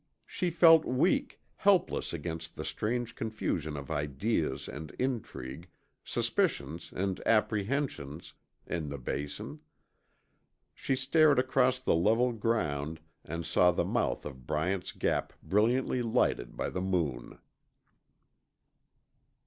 She felt weak, helpless against the strange confusion of ideas and intrigue, suspicions and apprehensions, in the Basin. She stared across the level ground and saw the mouth of Bryant's Gap brilliantly lighted by the moon.